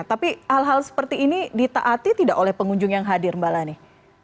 tapi hal hal seperti ini ditaati tidak oleh pengunjung yang hadir mbak lani